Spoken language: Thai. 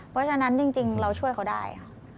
เพราะฉะนั้นจริงเราช่วยเขาได้ค่ะ